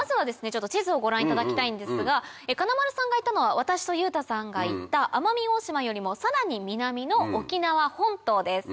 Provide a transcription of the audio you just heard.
ちょっと地図をご覧いただきたいんですが金丸さんが行ったのは私と裕太さんが行った奄美大島よりもさらに南の沖縄本島です。